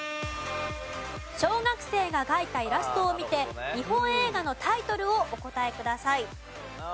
小学生が描いたイラストを見て日本映画のタイトルをお答えください。